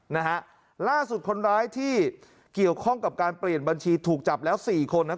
นะฮะล่าสุดคนร้ายที่เกี่ยวข้องกับการเปลี่ยนบัญชีถูกจับแล้วสี่คน